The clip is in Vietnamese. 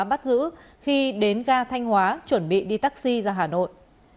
bắt giữ khi đến ga thanh hóa chuẩn bị đi taxi ra hà nội